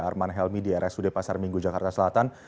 arman helmi di rsud pasar minggu jakarta selatan